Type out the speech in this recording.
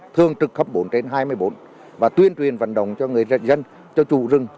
thường trực cấp bốn trên hai mươi bốn và tuyên truyền vận động cho người dân cho chủ rừng